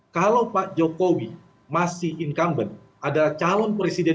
kalau pak jokowi masih incumbent adalah calon presiden dua ribu empat